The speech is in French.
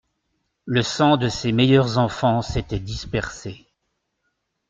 Le sang de ses meilleurs enfants s'était dispersé.